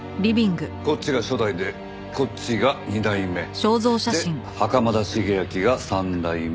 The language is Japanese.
こっちが初代でこっちが２代目。で袴田茂昭が３代目。